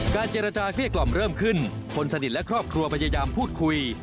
เจรจาเกลี้ยกล่อมเริ่มขึ้นคนสนิทและครอบครัวพยายามพูดคุย